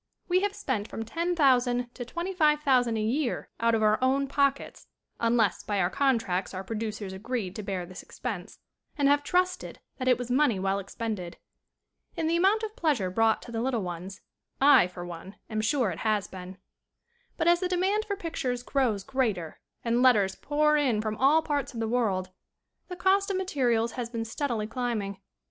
We have spent from $10,000 to $25,000 a year out of our own pockets unless by our contracts our producers agreed to bear this expense and have trusted that it was money well expended. In the amount of pleas SCREEN ACTING 19 ure brought to the little ones I, for one, am sure it has been. But, as the demand for pictures grows greater and letters pour in from all parts of the world, the cost of materials has been stead ily climbing.